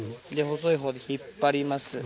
細いほうで引っ張ります。